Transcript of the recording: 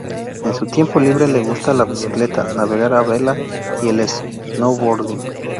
En su tiempo libre le gusta la bicicleta, navegar a vela y el "snowboarding".